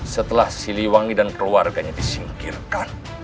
setelah siliwangi dan keluarganya disingkirkan